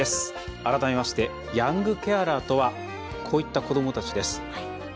改めましてヤングケアラーとはこういった子どもたちです。